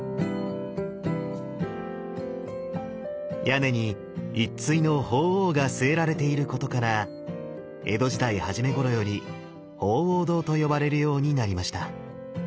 屋根に１対の鳳凰が据えられていることから江戸時代初めごろより「鳳凰堂」と呼ばれるようになりました。